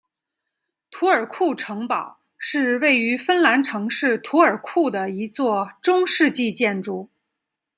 图尔库城堡是位于芬兰城市图尔库的一座中世纪建筑。